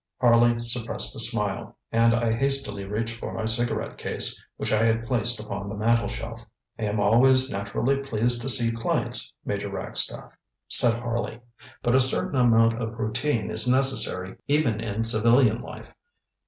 ŌĆØ Harley suppressed a smile, and I hastily reached for my cigarette case which I had placed upon the mantelshelf. ŌĆ£I am always naturally pleased to see clients, Major Ragstaff, ŌĆØ said Harley, ŌĆ£but a certain amount of routine is necessary even in civilian life.